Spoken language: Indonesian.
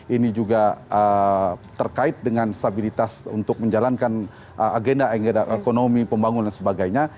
ini juga terkait dengan stabilitas untuk menjalankan agenda agenda ekonomi pembangunan dan sebagainya